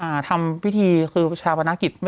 อ่าทำพิธีคือชาวพนักกิจ